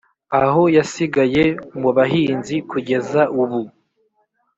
ayo yasigaye mu bahinzi Kugeza ubu